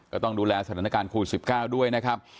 ก็ต้องดูแลสถานการณ์โควิด๑๙ด้วยนะครับ